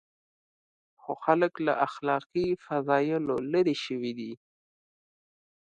خو خلک له اخلاقي فضایلو لرې شوي دي.